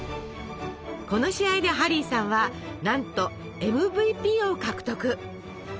この試合でハリーさんはなんとＭＶＰを獲得！